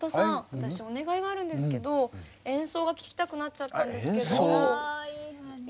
私お願いがあるんですけど演奏が聴きたくなっちゃったんですけどいいですか？